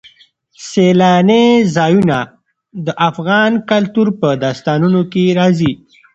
سیلانی ځایونه د افغان کلتور په داستانونو کې راځي.